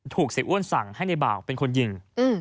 ถูกศรีอ้วนสั่งให้นายบ่าวเป็นคนยิง